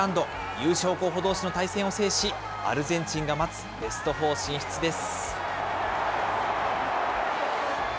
優勝候補どうしの対戦を制し、アルゼンチンが待つベストフォー進出です。